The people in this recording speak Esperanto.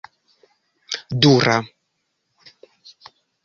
dura